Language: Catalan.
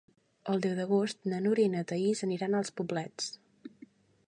El deu d'agost na Núria i na Thaís aniran als Poblets.